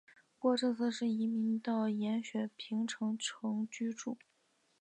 不过这次是移居到了延雪平城城居住。